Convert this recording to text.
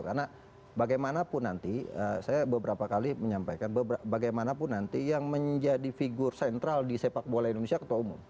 karena bagaimanapun nanti saya beberapa kali menyampaikan bagaimanapun nanti yang menjadi figur sentral di sepak bola indonesia ketua umum